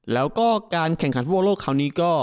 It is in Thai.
แล้วก็การแข่งขันฟุตบอลโลกคราวนี้ก็